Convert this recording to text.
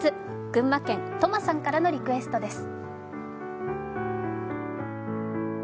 群馬県とまさんからのリクエストです。